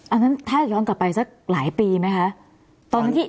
อันนั้นถ้าย้อนกลับไปสักหลายปีไหมคะ